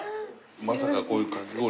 まさかこういうかき氷。